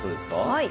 はい。